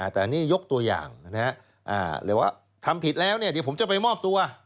แต่นี่ยกตัวอย่างเลยว่าทำผิดแล้วเนี่ยเดี๋ยวผมจะไปมอบตัว